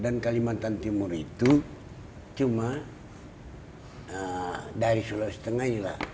dan kalimantan timur itu cuma dari sulawesi tengah